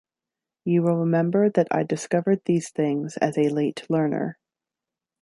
You will remember that I discovered these things as a late learner.